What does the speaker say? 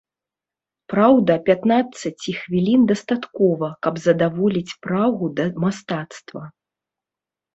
Праўда, пятнаццаці хвілін дастаткова, каб задаволіць прагу да мастацтва.